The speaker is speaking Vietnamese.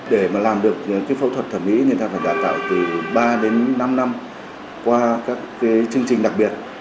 để mà làm được cái phẫu thuật thẩm mỹ thì ta phải đả tạo từ ba đến năm năm qua các cái chương trình đặc biệt